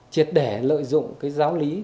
chiệt đẻ lợi dụng giáo lý